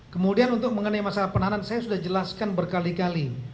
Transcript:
kemudian untuk mengenai masalah penahanan saya sudah jelaskan berkali kali